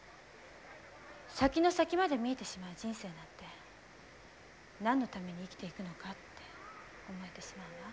先の先まで見えてしまう人生なんて何のために生きていくのかって思えてしまうわ。